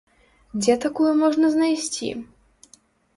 Дзе такую можна знайсці?